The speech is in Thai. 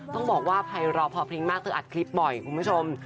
ต้องบอกว่าใครรอเพลงมากจะอัดคลิปบ่อยคุณผู้ชม